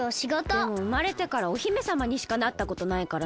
でもうまれてからお姫さまにしかなったことないからな。